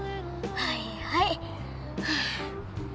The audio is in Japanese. はいはい。